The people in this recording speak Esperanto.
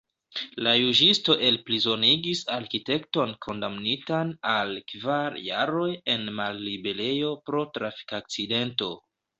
La juĝisto elprizonigis arkitekton kondamnitan al kvar jaroj en malliberejo pro trafik-akcidento.